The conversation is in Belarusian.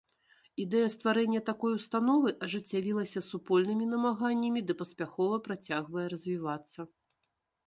Ідэя стварэння такой установы ажыццявілася супольнымі намаганнямі ды паспяхова працягвае развівацца.